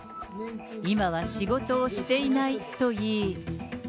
今は仕事をしていないと言い。